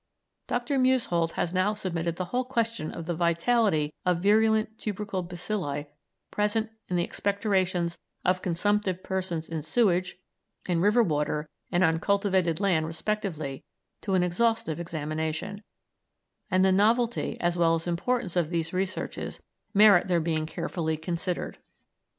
Dr. Musehold has now submitted the whole question of the vitality of virulent tubercle bacilli present in the expectorations of consumptive persons in sewage, in river water, and on cultivated land respectively, to an exhaustive examination, and the novelty as well as importance of these researches merit their being carefully considered.